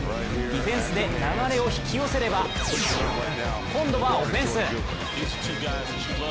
ディフェンスで流れを引き寄せれば、今度はオフェンス。